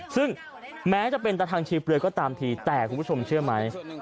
ซึ่งแม้จะเป็นตะทางชีเปลือยก็ตามทีแต่คุณผู้ชมเชื่อไหม